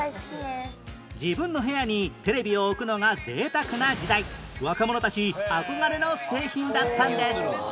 自分の部屋にテレビを置くのが贅沢な時代若者たち憧れの製品だったんです